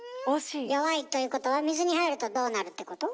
弱いということは水に入るとどうなるってこと？